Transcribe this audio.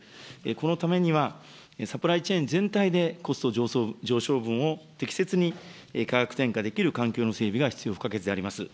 このためには、サプライチェーン全体でコスト上昇分を適切に価格転嫁できる環境の整備が必要不可欠であります。